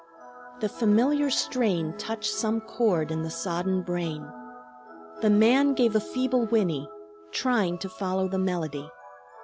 The familiar strain touched some chord in the sodden brain. The man gave a feeble whinny, trying to follow the melody.